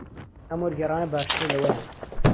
ئەم وەرگێڕانە باشترە لەوەیان.